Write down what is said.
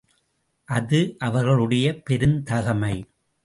அது அவர்களுடைய பெருந்தகைமை.